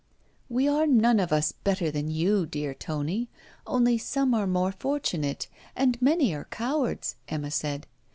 'We are none of us better than you, dear Tony; only some are more fortunate, and many are cowards,' Emma said.